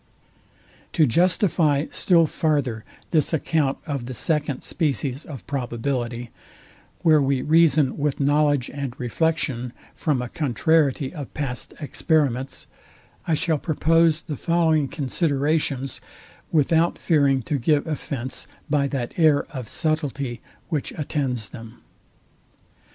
To justify still farther this account of the second species of probability, where we reason with knowledge and reflection from a contrariety of past experiments, I shall propose the following considerations, without fearing to give offence by that air of subtilty, which attends them.